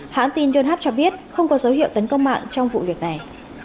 hãng tin donhap cho biết không có dấu hiệu tấn công mạng trong vụ việc này